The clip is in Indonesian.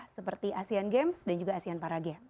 seperti asean games dan juga asean para games